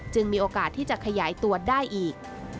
มีโอกาสที่จะขยายตัวได้อีก